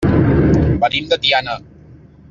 Venim de Tiana.